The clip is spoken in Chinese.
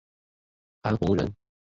韩弘人。